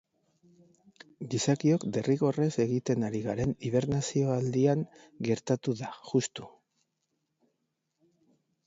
Gizakiok derrigorrez egiten ari garen hibernazio aldian gertatu da, juxtu.